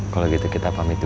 kalau gitu kita pamit dulu